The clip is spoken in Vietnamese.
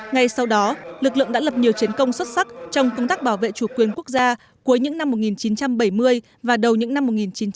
ngay sau đó lực lượng đã lập nhiều chiến công xuất sắc trong công tác bảo vệ chủ quyền quốc gia cuối những năm một nghìn chín trăm bảy mươi và đầu những năm một nghìn chín trăm bảy mươi